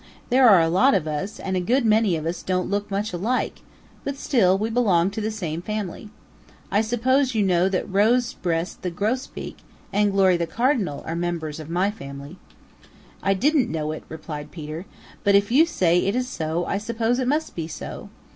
There are a lot of us and a good many of us don't look much alike, but still we belong to the same family. I suppose you know that Rosebreast the Grosbeak and Glory the Cardinal are members of my family." "I didn't know it," replied Peter, "but if you say it is so I suppose it must be so.